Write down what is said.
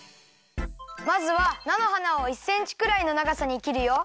まずはなのはなを１センチくらいのながさにきるよ。